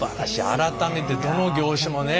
改めてどの業種もね